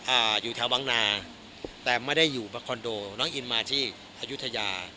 อยู่แถววังนาแต่ไม่ได้อยู่คอนโดน้องอินมาที่อายุทยา